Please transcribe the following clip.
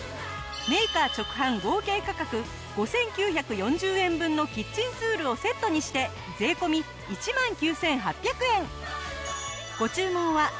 メーカー直販合計価格５９４０円分のキッチンツールをセットにして税込１万９８００円。